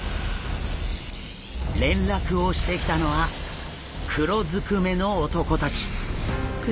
連絡をしてきたのは黒ずくめの男たち。